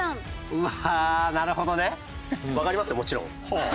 うわあなるほどね。わかりますよもちろん。